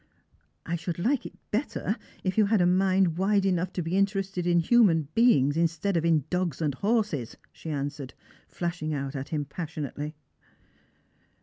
" I should like it better if you had a mind wide enough to be interested in human beings, instead of in dogs and horses," she answered, flashing out at him passionately.